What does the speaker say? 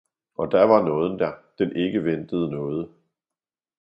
– Og, da var nåden der, den ikke ventede nåde.